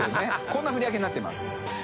こんな振り分けになってます。